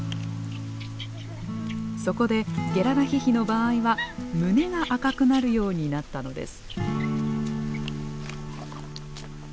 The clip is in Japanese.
そこでゲラダヒヒの場合は胸が赤くなるようになったのです。